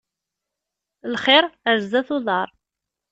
Lxiṛ, ar zdat uḍaṛ.